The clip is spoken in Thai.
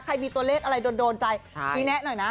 ใครมีตัวเลขอะไรโดนใจชี้แนะหน่อยนะ